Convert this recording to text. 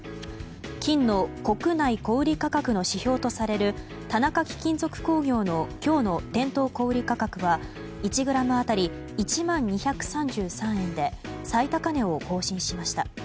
金の国内小売価格の指標とされる田中貴金属工業の今日の店頭小売価格は１ｇ当たり１万２３３円で最高値を更新しました。